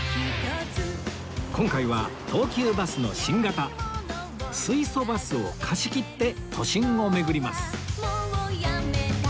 今回は東急バスの新型水素バスを貸し切って都心を巡ります